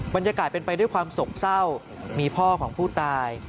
บรรยากาศเป็นไปด้วยความโศกเศร้ามีพ่อของผู้ตาย